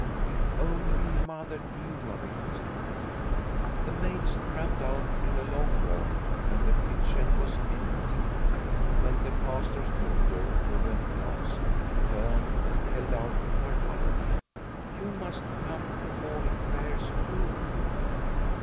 If only Mother knew of it !" The maids tramped out in a long row, and the kitchen was empty, when the Pastor's daughter, who went last, turned and held out her hand. " You must come to morning prayers too."